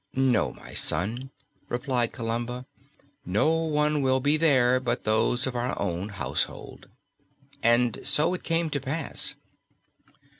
"No, my son," replied Columba, "no one will be there but those of our own household;" and so it came to pass.